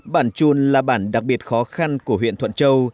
bản trun là bản đặc biệt khó khăn của huyện thuận châu